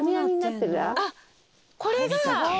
あっこれが。